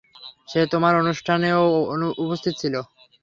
সে তোমার অনুষ্ঠানেও উপস্থিত ছিল।